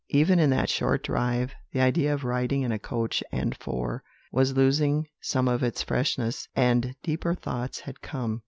Even in that short drive, the idea of riding in a coach and four was losing some of its freshness, and deeper thoughts had come.